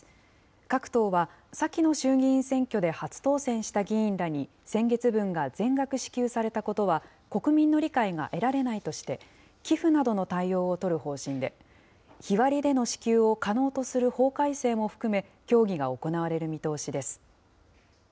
各党は先の衆議院選挙で初当選した議員らに先月分が全額支給されたことは、国民の理解が得られないとして、寄付などの対応を取る方針で、日割りでの支給を可能とする法改正も含め、協議が行われる見通しです。